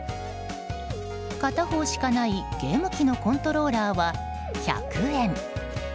片方しかない、ゲーム機のコントローラーは１００円。